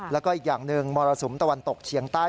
แล้วก็อีกอย่างหนึ่งมรสุมตะวันตกเฉียงใต้